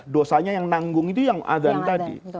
dosanya yang nanggung itu yang azan tadi